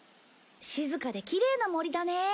静かできれいな森だね。